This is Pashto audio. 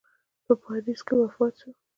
په پاریس کې وفات سو.